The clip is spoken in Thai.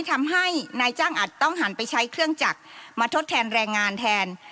ทำให้นายจ้างอาจต้องหันไปใช้เครื่องจักรมาทดแทนแรงงานแทน